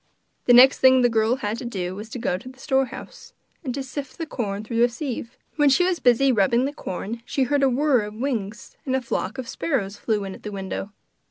The next thing the girl had to do was to go to the storehouse, and to sift the corn through a sieve. While she was busy rubbing the corn she heard a whirr of wings, and a flock of sparrows flew in at the window.